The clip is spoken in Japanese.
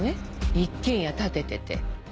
一軒家建ててて。